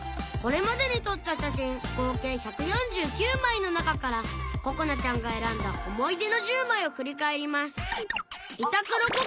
これまでに撮った写真合計１４９枚の中からここなちゃんが選んだ思い出の１０枚を振り返ります